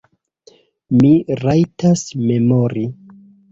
Mi rajtas memori.